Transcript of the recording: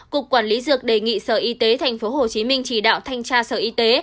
cục quản lý dược đề nghị sở y tế tp hcm chỉ đạo thanh tra sở y tế